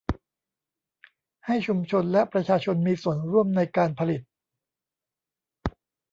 ให้ชุมชนและประชาชนมีส่วนร่วมในการผลิต